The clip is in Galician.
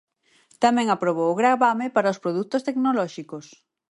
Tamén aprobou o gravame para os produtos tecnolóxicos.